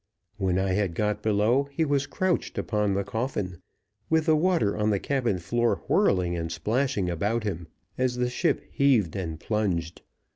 When I had got below he was crouched upon the coffin, with the water on the cabin floor whirling and splashing about him as the ship heaved and plunged.